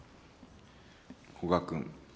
古賀君。